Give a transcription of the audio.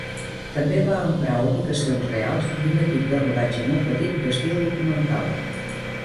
També va emprar ubicacions reals i un equip de rodatge molt petit d'estil documental.